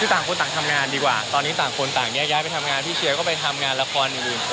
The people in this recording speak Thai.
คือต่างคนต่างทำงานดีกว่าตอนนี้ต่างคนต่างแยกย้ายไปทำงานที่เชียร์ก็ไปทำงานละครอื่น